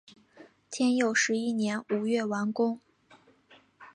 天佑十一年五月完工。